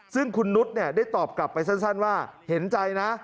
ซึ่งคุณนุษย์ได้ตอบกลับไปสั้นว่าเห็นใจนะ